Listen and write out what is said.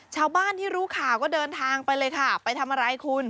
ชาวบ้านที่รู้ข่าวก็เดินทางไปเลยค่ะไปทำอะไรคุณ